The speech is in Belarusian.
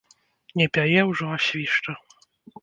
Не пяе ўжо, а свішча.